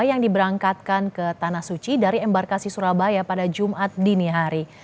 yang diberangkatkan ke tanah suci dari embarkasi surabaya pada jumat dini hari